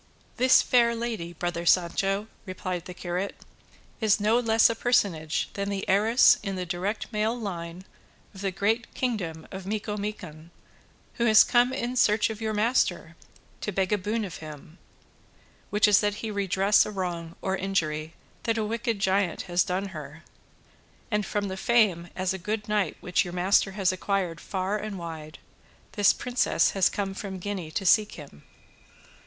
"This fair lady, brother Sancho," replied the curate, "is no less a personage than the heiress in the direct male line of the great kingdom of Micomicon, who has come in search of your master to beg a boon of him, which is that he redress a wrong or injury that a wicked giant has done her; and from the fame as a good knight which your master has acquired far and wide, this princess has come from Guinea to seek him."